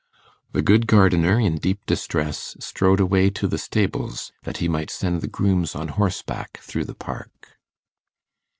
The good gardener, in deep distress, strode away to the stables that he might send the grooms on horseback through the park.